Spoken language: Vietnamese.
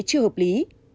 chưa hợp lý